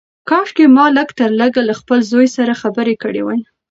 کاشکي ما لږ تر لږه له خپل زوی سره خبرې کړې وای.